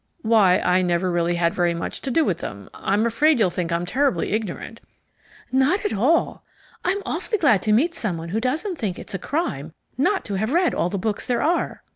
"Why, I never really had very much to do with them. I'm afraid you'll think I'm terribly ignorant " "Not at all. I'm awfully glad to meet someone who doesn't think it's a crime not to have read all the books there are."